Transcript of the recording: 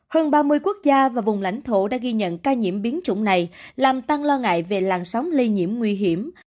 hơn ba mươi quốc gia và vùng lãnh thổ đã ghi nhận ca nhiễm biến chủng này làm tăng lo ngại về làn sóng lây nhiễm nguy hiểm